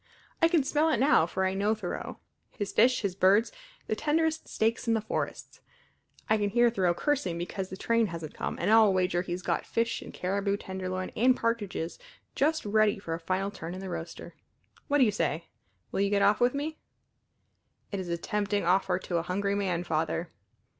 I can smell it now, for I know Thoreau his fish, his birds, the tenderest steaks in the forests! I can hear Thoreau cursing because the train hasn't come, and I'll wager he's got fish and caribou tenderloin and partridges just ready for a final turn in the roaster. What do you say? Will you get off with me?" "It is a tempting offer to a hungry man, Father."